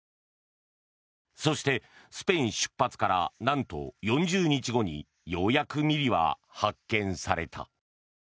そして、スペイン出発からなんと４０日後にようやくミリは発見された。